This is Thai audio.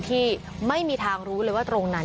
มีคนเสียชีวิตคุณ